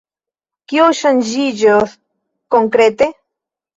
Kio ŝanĝiĝos konkrete?